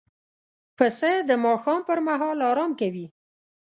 پسه د ماښام پر مهال آرام کوي.